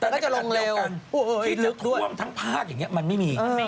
แต่ในขณะเดียวกันที่ลึกร่วมทั้งภาคอย่างนี้มันไม่มี